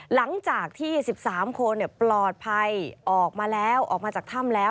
หลังจากที่๑๓คนปลอดภัยออกมาแล้วออกมาจากถ้ำแล้ว